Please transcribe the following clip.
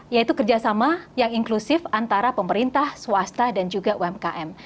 yaitu kerjasama yang inklusif antara pemerintah swasta dan juga umkm